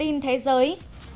tin thế giới